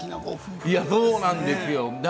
婦そうなんですよ。